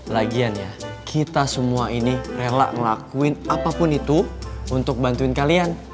lagiannya kita semua ini rela ngelakuin apapun itu untuk bantuin kalian